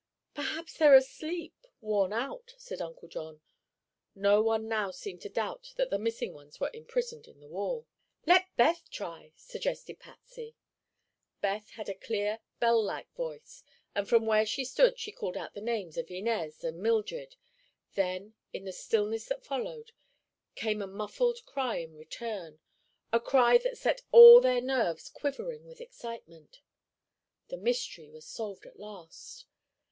"Perhaps they're asleep—worn out," said Uncle John. No one now seemed to doubt that the missing ones were imprisoned in the wall. "Let Beth try," suggested Patsy. Beth had a clear, bell like voice and from where she stood she called out the names of Inez and Mildred. Then, in the stillness that followed, came a muffled cry in return—a cry that set all their nerves quivering with excitement. The mystery was solved at last.